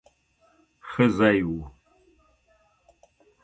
ښه ځای وو.